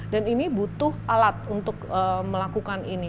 dan ini butuh alat untuk melakukan ini